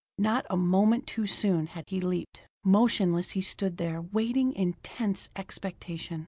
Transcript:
Not a moment too soon had he leaped. Motionless he stood there, waiting in tense expectation.